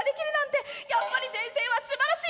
やっぱり先生はすばらしいわ！」。